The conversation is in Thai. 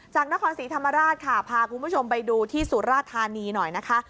จากนครศรีธรรมราชค่ะพาคุณผู้ชมไปดูที่สุราธานีหน่อยนะคะ